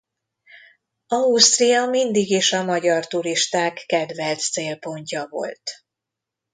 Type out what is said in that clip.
Ausztria mindig is a magyar turisták kedvelt célpontja volt.